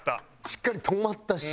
しっかり止まったし。